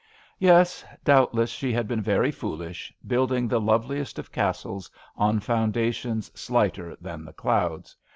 Yes, doubtless she had been very foolish, building the loveliest of castles on foundations slighter than the clouds.